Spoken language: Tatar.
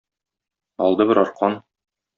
Алды бер аркан.